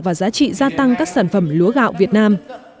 và giá trị gia tăng các sản phẩm lúa gạo việt nam